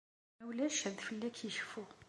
Ma ulac ad fell-ak yecfu.